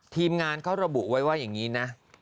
ทีมงานเขาระบุไว้ว่าอย่างนี้นะ